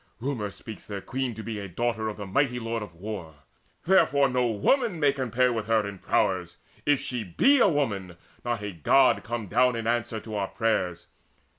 Rumour speaks their queen to be A daughter of the mighty Lord of War. Therefore no woman may compare with her In prowess if she be a woman, not A God come down in answer to our prayers.